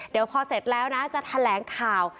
เดี๋ยวพอเสร็จแล้วนะจะแถลงข่าว